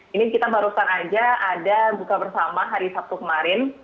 ini kita barusan aja ada buka bersama hari sabtu kemarin